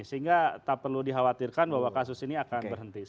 sehingga tak perlu dikhawatirkan bahwa kasus ini akan berhenti